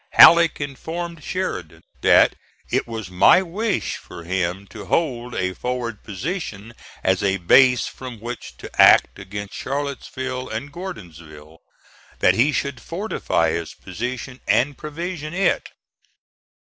Halleck informed Sheridan that it was my wish for him to hold a forward position as a base from which to act against Charlottesville and Gordonsville; that he should fortify this position and provision it.